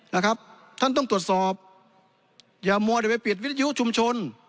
นะครับท่านต้องตรวจสอบอย่ามัวแต่ไปปิดวิทยุชุมชน